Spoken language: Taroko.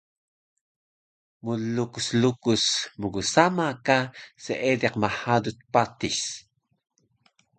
Mlukus lukus mgsama ka seediq mhaduc patis